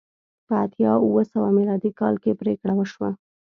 په اتیا اوه سوه میلادي کال کې پرېکړه وشوه